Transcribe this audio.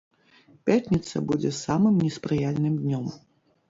Пятніца будзе самым неспрыяльным днём.